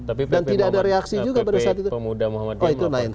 tapi pp muhammad pp pemuda muhammad diyah melaporkan